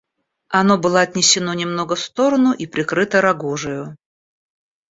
Оно было отнесено немного в сторону и прикрыто рогожею.